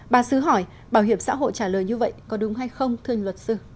bà sứ hỏi bảo hiểm xã hội trả lời như vậy có đúng hay không thưa luật sư